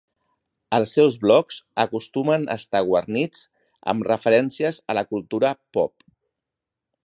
Els seus blogs acostumen a estar guarnits amb referències a la cultura pop.